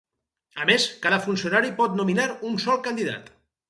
A més, cada funcionari pot nominar un sol candidat.